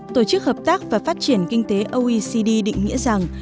tổ chức hợp tác và phát triển kinh tế oecd định nghĩa rằng